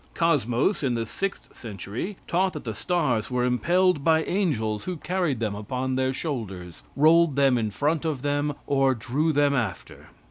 Cosmos, in the sixth century, taught that the stars were impelled by angels, who carried them upon their shoulders, rolled them in front of them, or drew them after.